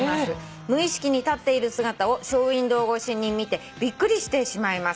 「無意識に立っている姿をショーウインドー越しに見てびっくりしてしまいます。